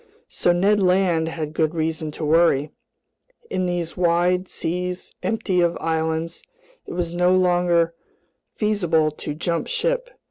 So Ned Land had good reason to worry. In these wide seas empty of islands, it was no longer feasible to jump ship.